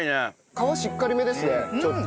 皮しっかりめですねちょっと。